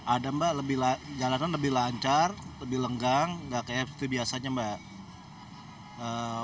ada mbak jalanan lebih lancar lebih lenggang nggak kayak seperti biasanya mbak